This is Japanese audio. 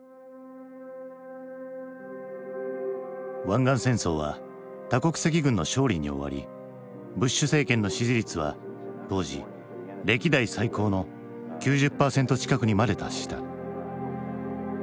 湾岸戦争は多国籍軍の勝利に終わりブッシュ政権の支持率は当時歴代最高の９０％近くにまで達した。